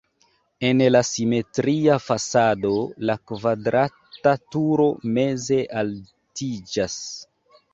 En la simetria fasado la kvadrata turo meze altiĝas.